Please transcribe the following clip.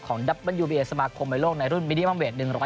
กลับไปบูกกันบนวิทยาลัยแล้วไปแก้เกมบนวิทยาลัยแล้วกันนะครับ